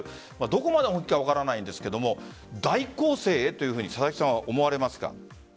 どこまで本気か分からないんだけど大攻勢へと佐々木さんは思われますか？